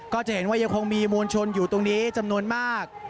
ก็จะเห็นว่ายังคงมีมวลชนอยู่ตรงนี้จำนวนมาก